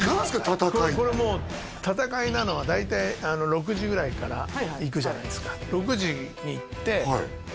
戦いってこれもう戦いなのは大体６時ぐらいから行くじゃないですか食事が？